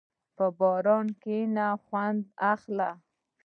په باران کښېنه، خوند اخله.